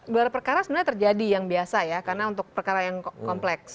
gelar perkara sebenarnya terjadi yang biasa ya karena untuk perkara yang kompleks